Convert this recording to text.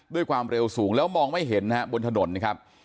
ด้วยความเร็วสูงแล้วมองไม่เห็นนะฮะบนถนนนะครับ